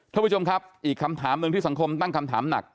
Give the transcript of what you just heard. ท่านผู้ชมครับอีกคำถามหนึ่งที่สังคมตั้งคำถามหนัก